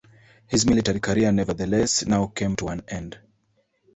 His military career nevertheless now came to an end.